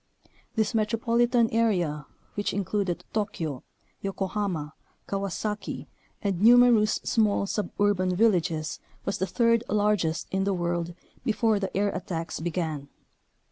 This metropolitan area which included Tokyo, Yokohama, Kawasaki, and numerous small suburban villages was the third largest in the world before the air attacks be gan.